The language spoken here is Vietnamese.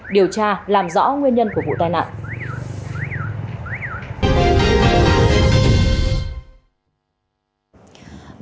điều tra làm rõ nguyên nhân của vụ tai nạn